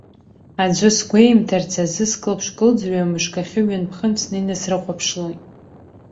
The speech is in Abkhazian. Аӡәы сгәеимҭарц азы, скылԥш-кылӡырҩуа мышкахьы ҩынтә-хынтә снеины срыхәаԥшлоит.